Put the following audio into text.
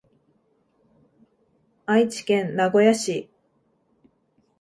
愛知県名古屋市